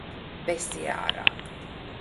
Besī ārā.